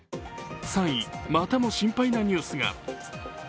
３位、またも心配なニュースが。